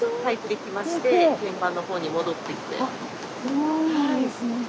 そうなんですね。